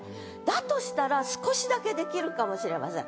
だとしたら少しだけできるかもしれません。